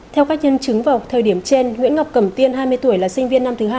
theo các nhân chứng vào thời điểm trên nguyễn ngọc cẩm tiên hai mươi tuổi là sinh viên năm thứ hai